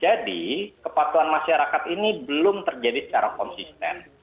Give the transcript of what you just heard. jadi kepatuan masyarakat ini belum terjadi secara konsisten